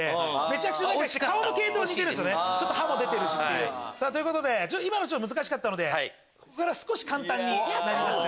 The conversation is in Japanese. ちょっと歯も出てるし。ということで今の難しかったのでここから少し簡単になります。